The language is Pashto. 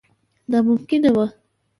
ناممکنه وه.